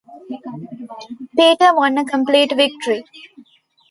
Peter won a complete victory.